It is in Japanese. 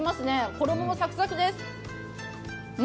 衣もサクサクです。